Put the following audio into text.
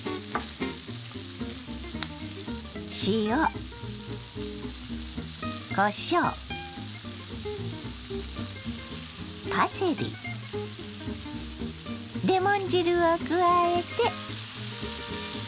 塩こしょうパセリレモン汁を加えて。